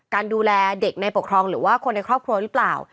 การดูแลเด็กในปกครองหรือว่าคนในครอบครัวหรือเปล่า